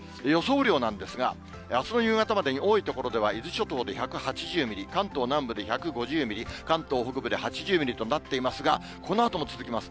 雨量なんですが、あすの夕方までに、多い所では、伊豆諸島で１８０ミリ、関東南部で１５０ミリ、関東北部で８０ミリとなっていますが、このあとも続きます。